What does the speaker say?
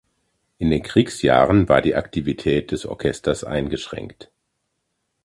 In den Kriegsjahren war die Aktivität des Orchesters eingeschränkt.